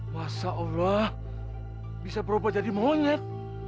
masya allah bisa berubah jadi monyet